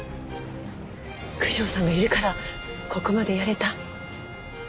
九条さんがいるからここまでやれた。